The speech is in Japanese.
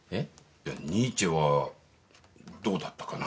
いやニーチェはどうだったかな。